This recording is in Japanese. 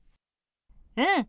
うん。